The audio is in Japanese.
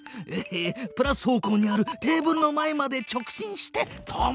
プラス方向にあるテーブルの前まで直進して止まる！